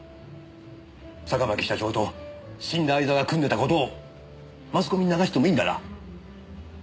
坂巻社長と死んだ相沢が組んでいた事をマスコミに流してもいいんだな？